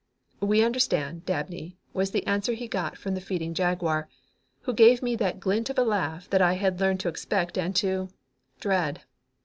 "We understand, Dabney," was the answer he got from the feeding Jaguar, who gave me that glint of a laugh that I had learned to expect and to dread.